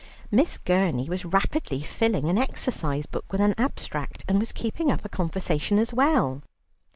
Miss Gurney was rapidly filling an exercise book with an abstract, and was keeping up a conversation as well.